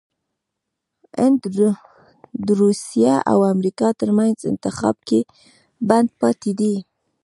هند دروسیه او امریکا ترمنځ انتخاب کې بند پاتې دی😱